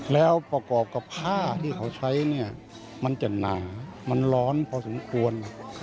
แล้วประกอบกับผ้าที่เขาใช้เนี่ยมันจะหนามันร้อนพอสมควร